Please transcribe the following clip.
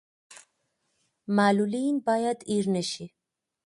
معلولین باید هیر نشي